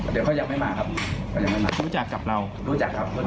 เดี๋ยวเขายังไม่มาครับเขายังไม่มารู้จักกับเรารู้จักครับ